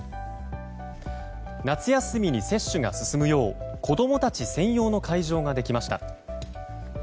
夏休みに接種が進むよう子供たち専用の会場ができました。